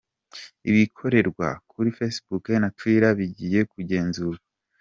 Ibikorerwa kuri Facebook na Twitter bigiye kugenzurwa